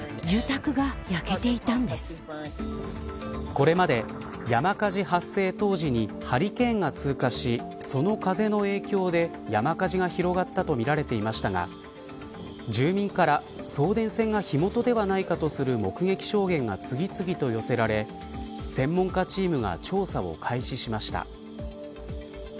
これまで、山火事発生当時にハリケーンが通過しその風の影響で山火事が広がったとみられていましたが住民から送電線が火元ではないかとする目撃証言が、次々と寄せられ専門家チームが調査を開始しました。